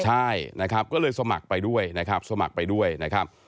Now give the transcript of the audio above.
ใช่นะครับก็เลยสมัครไปด้วยนะครับสมัครไปด้วยนะครับ